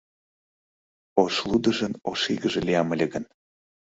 Ош лудыжын ош игыже лиям ыле гын